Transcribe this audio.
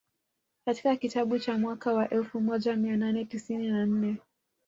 Katika kitabu cha mwaka wa elfu moja mia nane tisini na nne